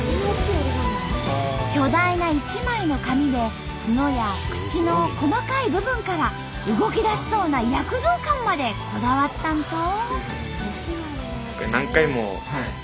巨大な一枚の紙で角や口の細かい部分から動きだしそうな躍動感までこだわったんと！